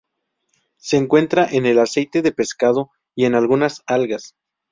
Se encuentra en el aceite de pescado y en algunas algas.